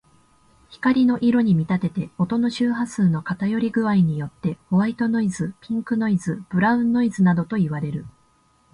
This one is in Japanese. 光の色に見立てて、音の周波数の偏り具合によってホワイトノイズ、ピンクノイズ、ブラウンノイズなどといわれる。